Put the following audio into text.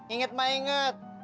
ingat mah inget